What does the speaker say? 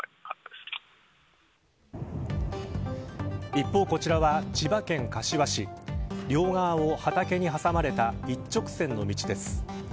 一方、こちらは千葉県柏市両側を畑に挟まれた一直線の道です。